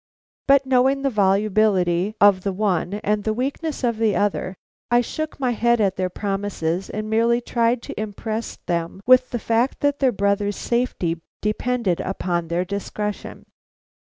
But knowing the volubility of the one and the weakness of the other, I shook my head at their promises, and merely tried to impress them with the fact that their brother's safety depended upon their discretion.